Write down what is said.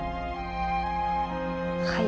はい。